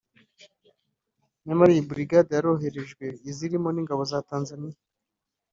Nyamara iyi brigade yaroherejwe ndetse iza irimo ingabo za Tanzaniya